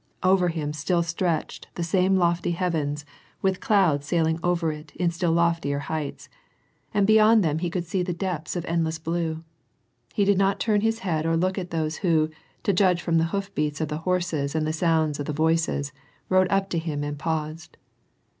Over him still stretched the same lofty heavens, with clouds sailing over it iu still loftier heights, and S66 ^Atl AND P^ACB. beyond them he could see the depths of endless blue. He did not torn his head or look at those who, to judge from tht hoof beats of the horses and the sounds of the voices, rode up to him and paused.